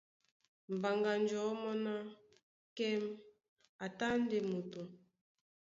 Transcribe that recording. Mbaŋganjɔ̌ mɔ́ ná: Kɛ́m a tá ndé moto.